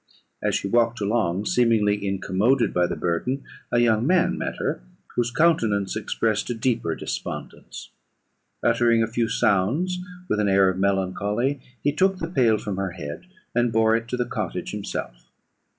As she walked along, seemingly incommoded by the burden, a young man met her, whose countenance expressed a deeper despondence. Uttering a few sounds with an air of melancholy, he took the pail from her head, and bore it to the cottage himself.